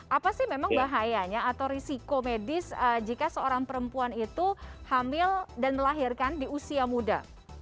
apa sih memang bahayanya atau risiko medis jika seorang perempuan itu hamil dan melahirkan di usia muda